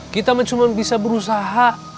kita cuma bisa berusaha